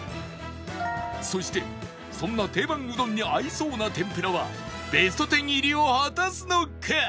そしてそんな定番うどんに合いそうな天ぷらはベスト１０入りを果たすのか？